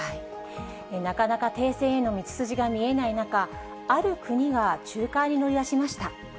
なかなか停戦への道筋が見えない中、ある国が仲介に乗り出しました。